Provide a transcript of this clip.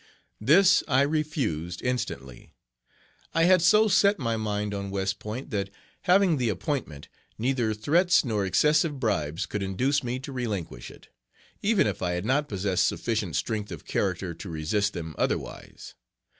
This I refused instantly. I had so set my mind on West Point that, having the appointment, neither threats nor excessive bribes could induce me to relinquish it, even if I had not possessed sufficient strength of character to resist them otherwise.